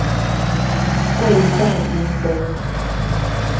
位在鶯歌